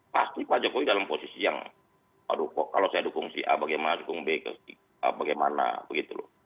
pasti pak jokowi dalam posisi yang aduh kok kalau saya dukung si a bagaimana dukung b ke bagaimana begitu loh